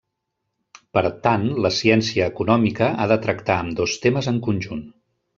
Per tant, la ciència econòmica ha de tractar ambdós temes en conjunt.